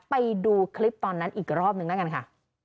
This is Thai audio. ไปดูคลิปตอนนั้นอีกรอบนึงแล้วกันค่ะ